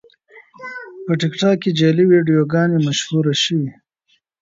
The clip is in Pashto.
په ټیکټاک کې جعلي ویډیوګانې مشهورې شوې.